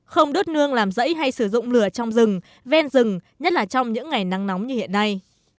không đốt nương làm rẫy hay sử dụng lửa trong rừng ven rừng nhất là trong những ngày nắng nóng như hiện nay